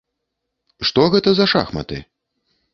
Што гэта за шахматы?